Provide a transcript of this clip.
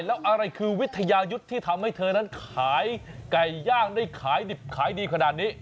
แล้วอะไรคือวิทยายุทธ์ที่ทำให้เธอนั้นขายไก่ย่างได้ขายดิบขายดีขนาดนี้